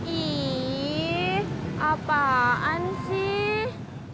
ih apaan sih